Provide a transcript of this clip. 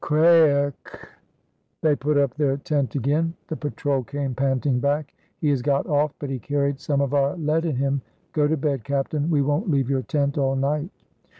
Craake! They put up their tent again. The patrol came panting back. "He has got off but he carried some of our lead in him. Go to bed, captain, we won't leave your tent all night."